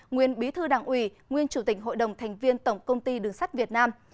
nguyên bí thư đảng ủy nguyên chủ tịch hội đồng thành viên tổng công ty đường sắt việt nam